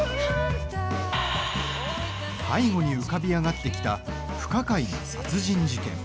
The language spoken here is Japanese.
背後に浮かび上がってきた不可解な殺人事件。